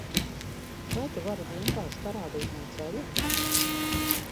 Vai tu vari vienkārši parādīt man ceļu?